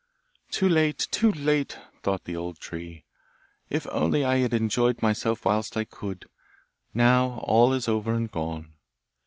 'Too late! Too late!' thought the old tree. 'If only I had enjoyed myself whilst I could. Now all is over and gone.